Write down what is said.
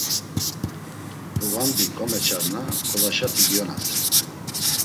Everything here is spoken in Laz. Ğvandi komeçarna, golaşati giyonasen.